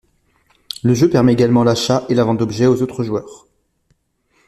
Le jeu permet également l'achat et la vente d'objets aux autres joueurs.